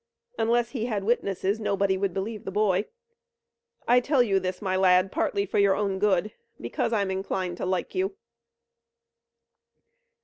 Unless he had witnesses nobody would believe the boy. I tell you this, my lad, partly for your own good, because I'm inclined to like you."